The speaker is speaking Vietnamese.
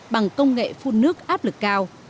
bằng công nghệ phun nước áp lực cao